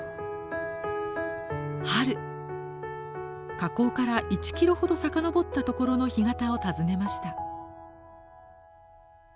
河口から１キロほど遡ったところの干潟を訪ねました。